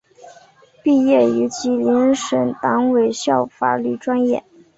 毕业于吉林省委党校法律专业。